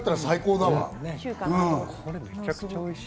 めちゃくちゃおいしい！